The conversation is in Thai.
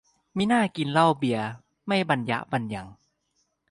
มิน่ากินเหล้าเบียร์ไม่บันยะบันยัง